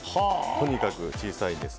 とにかく小さいです。